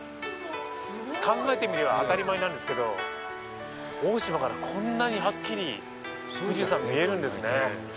考えてみれば当たり前なんですけど大島からこんなにはっきり富士山が見えるんですね。